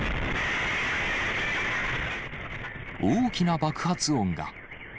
大きな爆発音が。